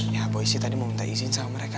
ya gue sih tadi mau minta izin sama mereka